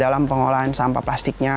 dalam pengolahan sampah plastiknya